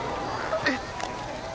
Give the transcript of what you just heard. えっ！？